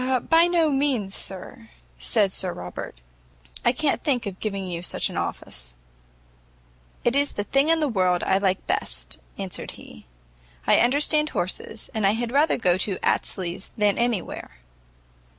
"By no means, sir," said Sir Robert, "I can't think of giving you such an office." "It is the thing in the world I like best," answered he; "I understand horses, and had rather go to Astley's than any where."